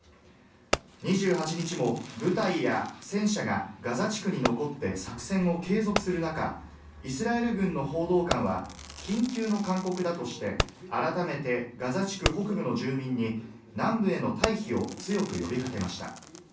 ２８日も部隊や戦車がガザ地区に残って作戦を継続する中、イスラエル軍の報道官は緊急の勧告だとして改めてガザ地区北部の住民に南部への退避を強く呼び掛けました。